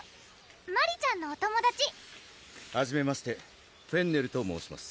マリちゃんのお友達はじめましてフェンネルと申します